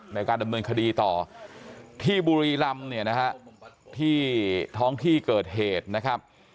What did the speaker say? ในการดำเนินคดีต่อที่บุรีรำเนี่ยนะฮะที่ท้องที่เกิดเหตุนะครับ